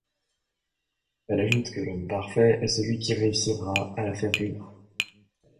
Elle ajoute que l'homme parfait est celui qui réussira à la faire rire.